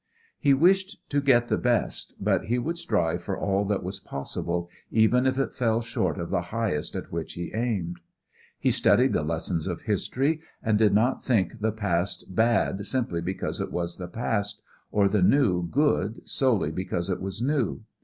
He wished to get the best, but he would strive for all that was possible even if it fell short of the highest at which he aimed. He studied the lessons of history, and did not think the past bad simply because it was the past, or the new good solely because it was new.